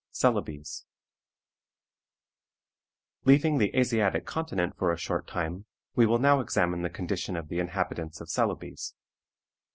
CELEBES. Leaving the Asiatic Continent for a short time, we will now examine the condition of the inhabitants of Celebes.